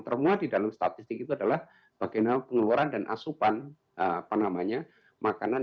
termuat di dalam statistik itu adalah bagian pengeluaran dan asupan apa namanya makanan